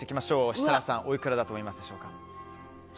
設楽さん、おいくらだと思いますでしょうか。